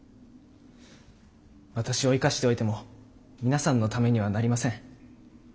私を生かしておいても皆さんのためにはなりません。